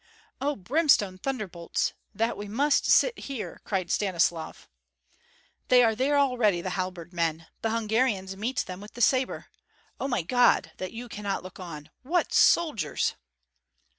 "Oh, brimstone thunderbolts, that we must sit here!" cried Stanislav. "They are there already, the halberd men! The Hungarians meet them with the sabre! Oh, my God! that you cannot look on. What soldiers!"